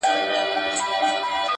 د سړی زوی سته بغیر له موږه